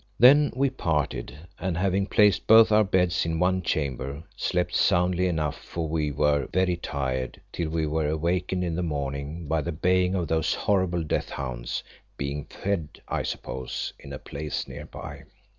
Then we parted, and having placed both our beds in one chamber, slept soundly enough, for we were very tired, till we were awakened in the morning by the baying of those horrible death hounds, being fed, I suppose, in a place nearby.